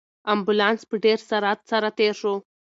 امبولانس په ډېر سرعت سره تېر شو.